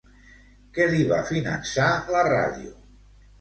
Què li va finançar la ràdio?